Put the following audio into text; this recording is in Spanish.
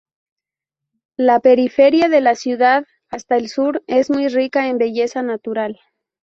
La periferia de la ciudad hasta el sur es muy rica en belleza natural.